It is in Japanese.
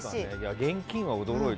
現金は驚いた。